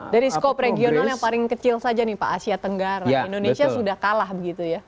dari skop regional yang paling kecil saja nih pak asia tenggara indonesia sudah kalah begitu ya